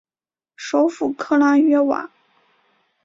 首府克拉约瓦。